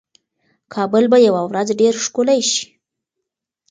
کابل به یوه ورځ ډېر ښکلی شي.